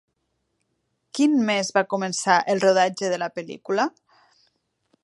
Quin mes va començar el rodatge de la pel·lícula?